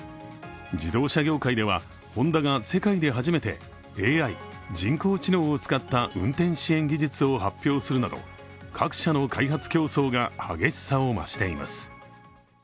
自動車業界ではホンダが世界で初めてＡＩ＝人工知能を使った運転支援技術を発表するなど各社の開発競争が激しさを増しています。